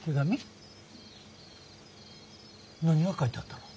何が書いてあったの？